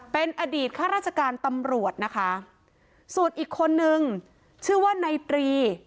เป็นอดีตข้าราชการตำรวจนะคะส่วนอีกคนนึงชื่อว่านายตรี